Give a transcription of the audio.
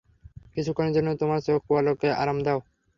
কিছুক্ষনের জন্য তোমার চোখের পলকে আরাম দাও।